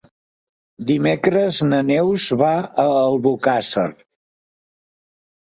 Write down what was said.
Dimecres na Neus va a Albocàsser.